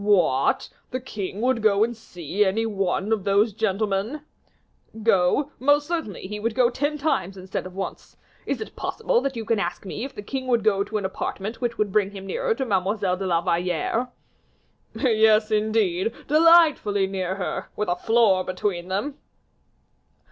"What! the king would go and see any one of those gentlemen?" "Go! most certainly he would ten times instead of once. Is it possible you can ask me if the king would go to an apartment which would bring him nearer to Mademoiselle de la Valliere?" "Yes, indeed, delightfully near her, with a floor between them."